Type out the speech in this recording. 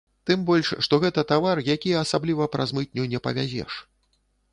Тым больш, што гэта тавар, які асабліва праз мытню не павязеш.